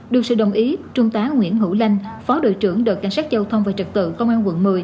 được sự đồng ý trung tá nguyễn hữu lanh phó đội trưởng đội cảnh sát giao thông và trật tự công an quận một mươi